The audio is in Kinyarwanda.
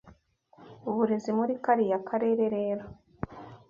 uburezi muri kariya karere rero